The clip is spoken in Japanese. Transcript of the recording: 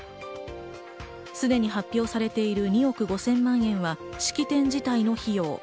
すでに発表されている２億５０００万円は式典自体の費用。